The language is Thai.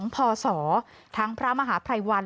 พศทั้งพระมหาภัยวัน